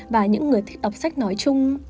và những người thích đọc sách nói chung